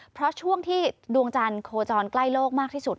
เพราะช่วงที่ดวงจันทร์โคจรใกล้โลกมากที่สุด